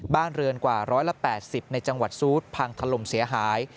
บ้านเรือนกว่า๑๘๐ในจังหวัดซูดพังถล่มเสียหาย